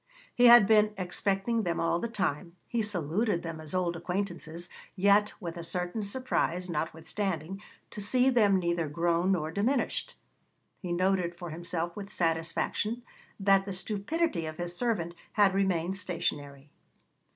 He had been expecting them all the time, he saluted them as old acquaintances, yet with a certain surprise, notwithstanding, to see them neither grown nor diminished. He noted for himself with satisfaction that the stupidity of his servant had remained stationary.'